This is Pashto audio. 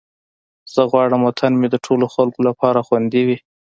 زه غواړم وطن مې د ټولو خلکو لپاره خوندي وي.